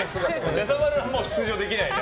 やさまるはもう出場できないね。